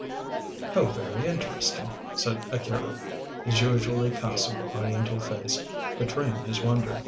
"How very interesting," said Akira, his usually passive Oriental face betraying his wonder.